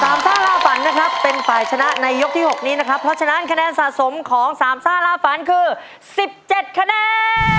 ซ่าล่าฝันนะครับเป็นฝ่ายชนะในยกที่หกนี้นะครับเพราะฉะนั้นคะแนนสะสมของสามซ่าล่าฝันคือสิบเจ็ดคะแนน